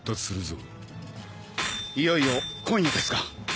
いよいよ今夜ですか？